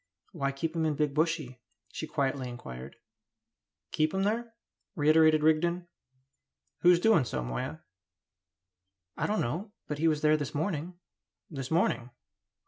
"Why keep him in Big Bushy?" she quietly inquired. "Keep him there?" reiterated Rigden. "Who's doing so, Moya?" "I don't know; but he was there this morning." "This morning?"